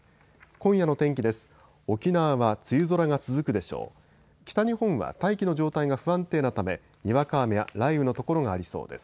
今夜の天気です。